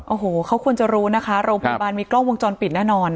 โอ้โหเขาควรจะรู้นะคะโรงพยาบาลมีกล้องวงจรปิดแน่นอน